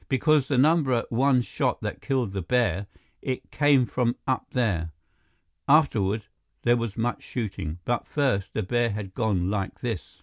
Because the number one shot that killed the bear, it came from up there. Afterward, there was much shooting. But first, the bear had gone like this."